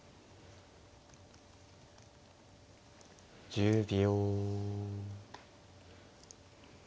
１０秒。